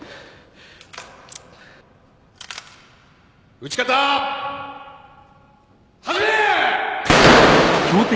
撃ち方始め！